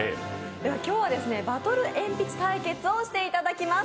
今日はバトルえんぴつ対決をしていただきます。